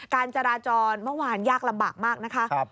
การจราจรเมื่อวานยากลำบากมากนะคะ